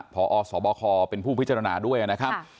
พอสบคเป็นผู้พิจารณาด้วยนะครับ